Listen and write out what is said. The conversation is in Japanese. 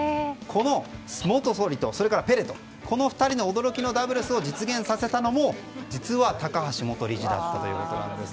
この元総理とペレとこの２人の驚きのダブルスを実現させたのも実は高橋元理事だったということなんです。